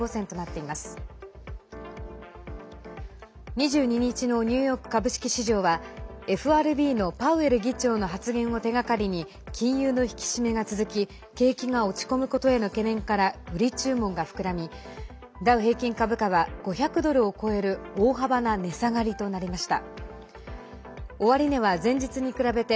２２日のニューヨーク株式市場はＦＲＢのパウエル議長の発言を手がかりに金融の引き締めが続き景気が落ち込むことへの懸念から売り注文が膨らみダウ平均株価は５００ドルを超える大幅な値下がりとなりました。